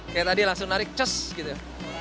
kayak tadi langsung narik cus gitu